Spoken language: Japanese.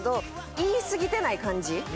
言いすぎてない感じ。